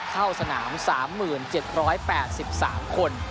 เข้าสนาม๓๗๘๓คน